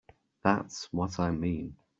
That's what I mean.